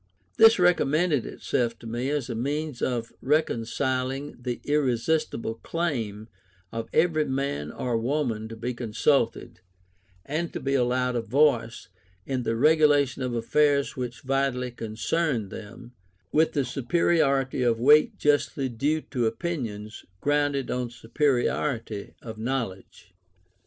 This recommended itself to me as a means of reconciling the irresistible claim of every man or woman to be consulted, and to be allowed a voice, in the regulation of affairs which vitally concern them, with the superiority of weight justly due to opinions grounded on superiority of knowledge.